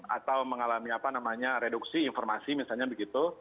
atau mengalami reduksi informasi misalnya begitu